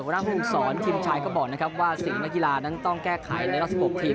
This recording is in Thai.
หัวหน้าหุ้งสอนทีมชายก็บอกนะครับว่าสิ่งนักยีลานั้นต้องแก้ไขในลักษณะสี่หกทีม